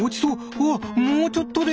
うわっもうちょっとで！